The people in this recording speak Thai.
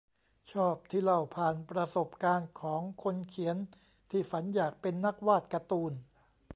ชอบที่เล่าผ่านประสบการณ์ของคนเขียนที่ฝันอยากเป็นนักวาดการ์ตูน